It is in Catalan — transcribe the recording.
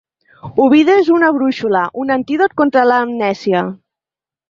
Ovidi és una brúixola, un antídot contra l’amnèsia